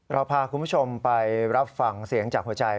เราพาคุณผู้ชมไปรับฟังเสียงจากหัวใจ